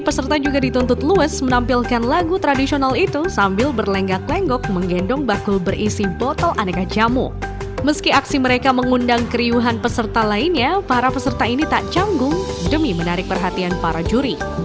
peserta ini tak canggung demi menarik perhatian para juri